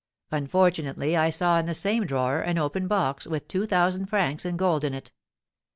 Unfortunately I saw in the same drawer an open box, with two thousand francs in gold in it.